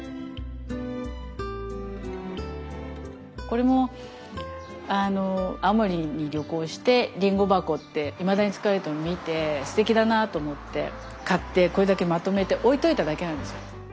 これも青森に旅行してりんご箱っていまだに使われているのを見てすてきだなと思って買ってこれだけまとめて置いといただけなんですよ。